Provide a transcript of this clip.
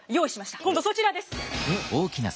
今度そちらです。